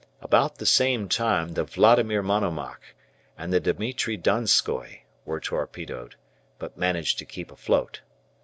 About the same time the "Vladimir Monomach" and the "Dimitri Donskoi" were torpedoed, but managed to keep afloat.